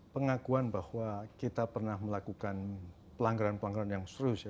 pengakuan bahwa kita pernah melakukan pelanggaran pelanggaran yang serius ya